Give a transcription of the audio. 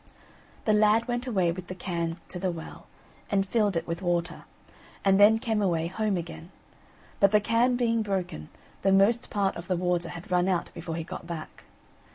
The lad went away with the can to the well, and filled it with water, and then came away home again; but the can being broken, the most part of the water had run out before he got back.